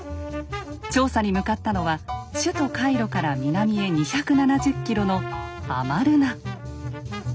調査に向かったのは首都カイロから南へ２７０ｋｍのアマルナ。